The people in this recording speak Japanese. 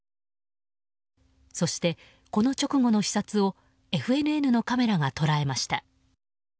そして、この直後の視察をＦＮＮのカメラが捉えました。